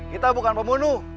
kita bukan pembunuh